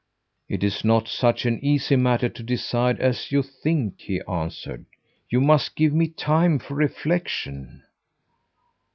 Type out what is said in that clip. "It's not such an easy matter to decide as you think," he answered. "You must give me time for reflection."